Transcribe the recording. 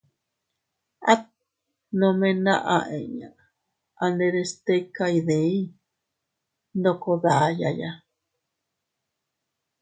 At nome naʼa inña anderes tika iydiy ndoko dayaya.